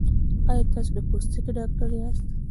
ایا تاسو د پوستکي ډاکټر یاست؟